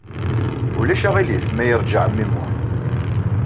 Ulac aɣilif ma yeṛja ɛemmi Muḥ.